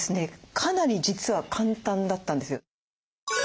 かなり実は簡単だったんですよ。